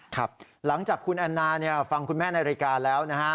ครับหลังจากคุณแอนนาฟังคุณแม่ในรายการแล้วนะฮะ